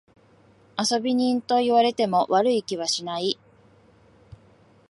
遊び人と言われても悪い気はしない。